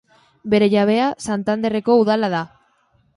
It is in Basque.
Bere jabea Santanderko Udala da.